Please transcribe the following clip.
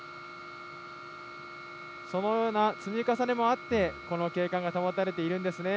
そのような積み重ねもあってこの景観が保たれているんですね。